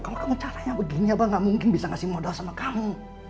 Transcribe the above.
kalau kamu caranya begini apa nggak mungkin bisa ngasih modal sama kamu